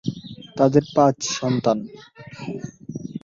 তাদের পাঁচ সন্তান।